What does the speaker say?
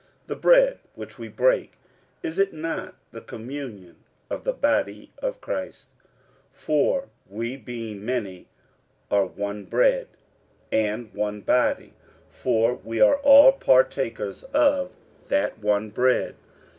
The bread which we break, is it not the communion of the body of Christ? 46:010:017 For we being many are one bread, and one body: for we are all partakers of that one bread.